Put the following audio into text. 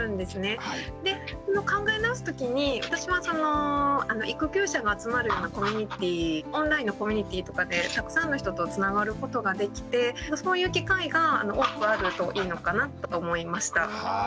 考え直す時に私はその育休者が集まるようなオンラインのコミュニティーとかでたくさんの人とつながることができてそういう機会が多くあるといいのかなって思いました。